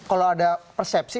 kalau ada persepsi